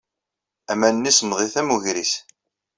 Aman-nni semmḍit am wegris.